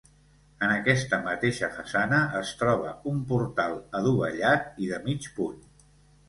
En aquesta mateixa façana es troba un portal adovellat i de mig punt.